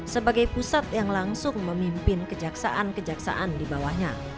sebagai pusat yang langsung memimpin kejaksaan kejaksaan di bawahnya